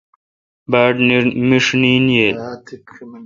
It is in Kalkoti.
باڑ مݭ نیند ییل۔